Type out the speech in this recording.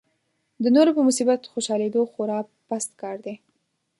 د نورو په مصیبت خوشالېدا خورا پست کار دی.